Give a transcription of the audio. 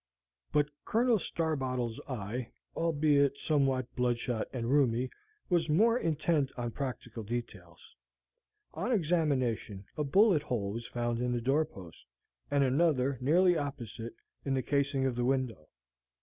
But Colonel Starbottle's eye albeit somewhat bloodshot and rheumy was more intent on practical details. On examination, a bullet hole was found in the doorpost, and another, nearly opposite, in the casing of the window.